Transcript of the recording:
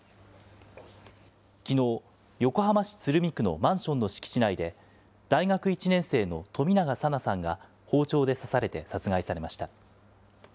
きのう、横浜市鶴見区のマンションの敷地内で、大学１年生の冨永紗菜さんが包丁で刺されて殺害されました。